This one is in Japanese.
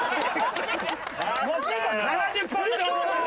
７０ポイント！